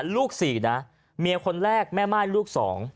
ลูก๔นะเมียคนแรกแม่ม่ายลูก๒